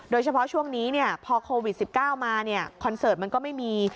โดยเฉพาะช่วงนี้พอโควิด๑๙มาคอนเสิร์ตมันก็ไม่มี